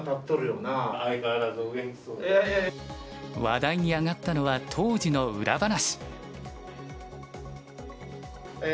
話題に上がったのは当時の裏話。